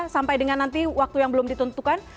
sampai dengan nanti waktu yang belum ditentukan